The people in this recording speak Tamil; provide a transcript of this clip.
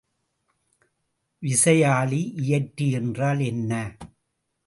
விசையாழி இயற்றி என்றால் என்ன?